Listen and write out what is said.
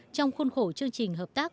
trong khuôn khổ chương trình hợp tác